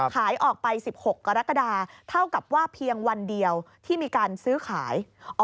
ขายออกไป๑๖กรกฎาเท่ากับว่าเพียงวันเดียวที่มีการซื้อขาย